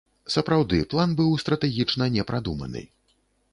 Сапраўды, план быў стратэгічна не прадуманы.